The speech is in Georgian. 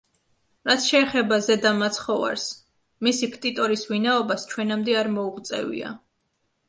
რაც შეეხება „ზედა მაცხოვარს“ მისი ქტიტორის ვინაობას ჩვენამდე არ მოუღწევია.